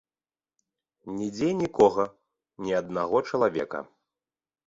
Нідзе нікога, ні аднаго чалавека.